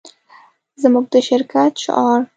زموږ د شرکت شعار